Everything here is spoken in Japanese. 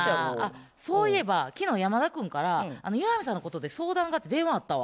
そういえば昨日山田君から岩見さんのことで相談がって電話あったわ。